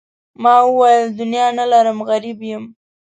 ما وویل دنیا نه لرم غریب یم.